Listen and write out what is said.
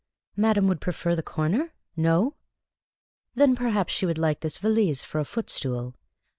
Madame would prefer the corner ? No ? Then perhaps she would like this valise for a footstool